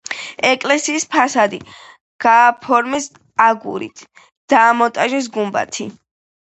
ეკლესიის ფასადი გააფორმეს აგურით, დაამონტაჟეს გუმბათი.